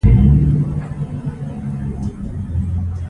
غازیان د خپل دین ساتنې لپاره جنګ کوي.